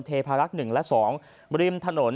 เทพารักษ์๑และ๒ริมถนน